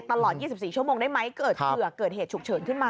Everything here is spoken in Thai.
ตลอด๒๔ชั่วโมงได้ไหมเกิดเผื่อเกิดเหตุฉุกเฉินขึ้นมา